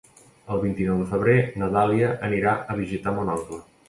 El vint-i-nou de febrer na Dàlia anirà a visitar mon oncle.